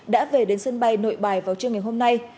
đã về đến sân bay nội bài vào trưa ngày hôm nay